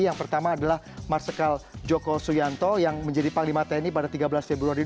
yang pertama adalah marsikal joko suyanto yang menjadi panglima tni pada tiga belas februari dua ribu dua puluh